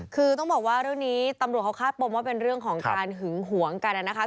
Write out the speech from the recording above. คือต้องบอกว่าเรื่องนี้ตำรวจเขาคาดปมว่าเป็นเรื่องของการหึงหวงกันนะคะ